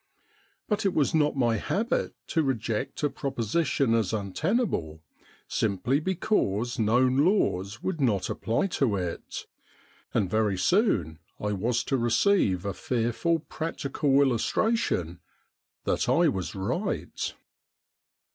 But it was not my habit to reject a proposition as untenable simply because known laws would not apply to it, and very soon I was to receive a fearful practical illustration that I was right.